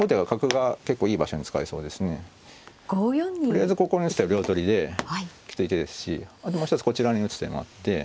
とりあえずここに打つ手は両取りできつい手ですしあともう一つこちらに打つ手もあって。